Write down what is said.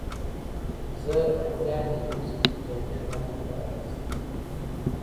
زه اتیا نوي سپینې جامې د ځان لپاره اخیستې دي.